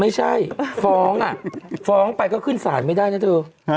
ไม่ใช่ฟ้องอ่ะฟ้องไปก็ขึ้นศาลไม่ได้นะเธอ